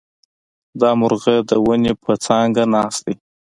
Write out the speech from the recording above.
دا مرغه د ونې پر څانګه ناست دی.